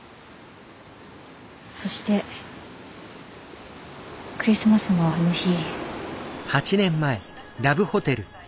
そしてクリスマスのあの日。